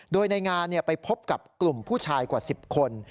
โดยในงานไปพบกับกลุ่มผู้ชายกว่า๑๐คน